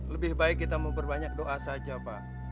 lebih baik kita memperbanyak doa saja pak